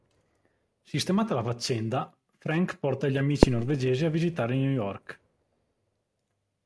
Sistemata la faccenda, Frank porta gli amici norvegesi a visitare New York.